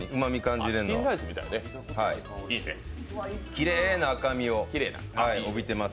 きれいな赤身を帯びてます。